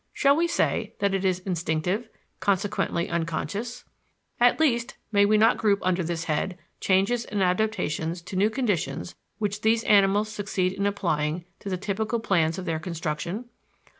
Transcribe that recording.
Shall we say that it is "instinctive," consequently unconscious? At least, may we not group under this head, changes and adaptations to new conditions which these animals succeed in applying to the typical plans of their construction?